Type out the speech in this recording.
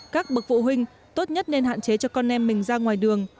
các bậc phụ huynh tốt nhất nên hạn chế cho con em mình ra ngoài đường